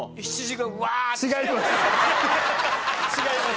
違います！